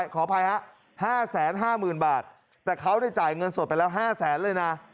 ขอภัยฮะห้าแสนห้าหมื่นบาทแต่เขาได้จ่ายเงินสดไปแล้วห้าแสนเลยนะ